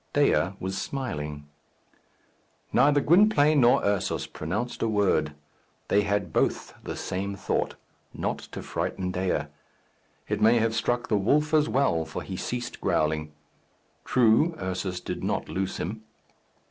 Dea was smiling. Neither Gwynplaine nor Ursus pronounced a word. They had both the same thought not to frighten Dea. It may have struck the wolf as well, for he ceased growling. True, Ursus did not loose him.